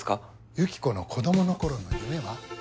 ユキコの子供の頃の夢は？